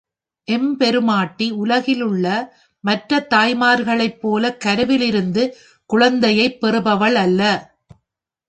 எம்பெருமாட்டி உலகிலுள்ள மற்ற தாய்மார்களைப் போலக் கருவிருந்து குழந்தையைப் பெறுபவள் அல்ல.